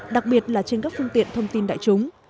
đặc biệt là trên các phương tiện thông tin đại chúng